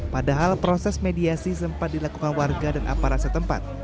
padahal proses mediasi sempat dilakukan warga dan aparat setempat